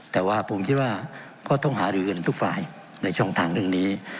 แต่ว่าผมคิดว่าก็ต้องหารือกันทุกฝ่ายในช่องทางเรื่องนี้